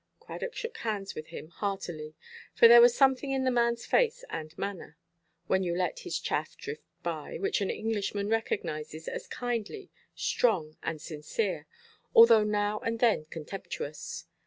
Cradock shook hands with him heartily, for there was something in the manʼs face and manner, when you let his chaff drift by, which an Englishman recognises, as kindly, strong, and sincere, although now and then contemptuous.